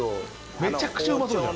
めちゃくちゃうまそうじゃん。